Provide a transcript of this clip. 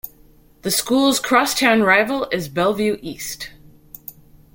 The school's cross-town rival is Bellevue East.